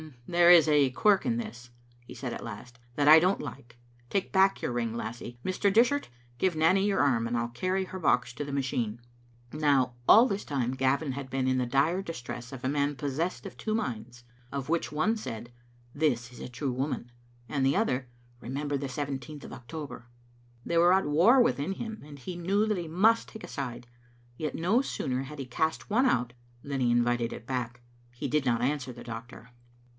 "There is a quirk in this," he said at last, "that I don't like. Take back your ring, lassie. Mr. Dishart, give Nanny your arm, and 1*11 carry her box to the machine." Now all this time Gavin had been in the dire distress of a man possessed of two minds, of which one said, "This is a true woman," and the other, "Remember the seventeenth of October." They were at war within him, and he knew that he, must take a side, yet no sooner had he cast one out than he invited it back. He did not answer the doctor.